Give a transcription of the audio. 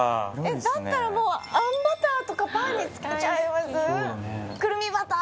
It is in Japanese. だったらあんバターとかパンにつけちゃいます？